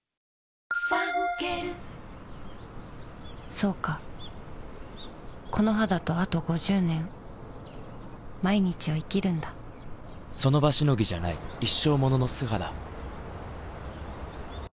そうかこの肌とあと５０年その場しのぎじゃない一生ものの素肌